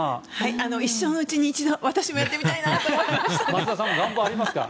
一生に一度私もやってみたいなと思いますね。